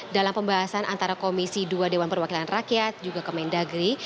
dalam pembahasan antara komisi dua dewan perwakilan rakyat juga kemendagri